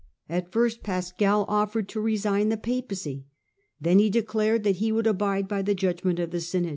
At first Pascal offered to resign the Papacy ; then he declared that he would abide by the judgment of the synod.